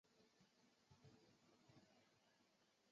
六足亚门。